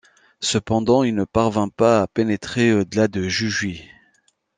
Cependant, il ne parvint pas à pénétrer au-delà de Jujuy.